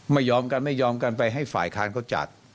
ไม่ยอมกันไม่ยอมกันไปให้ฝ่ายค้านเขาจัด